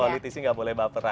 politik sih enggak boleh baperan